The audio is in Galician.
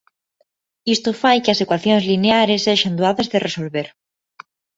Isto fai que as ecuacións lineares sexan doadas de resolver.